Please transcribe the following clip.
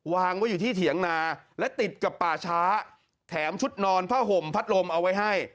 วางไว้อยู่ที่เถียงนาและติดกับป่าช้าแถมชุดนอนผ้าห่มพัดลมเอาไว้ให้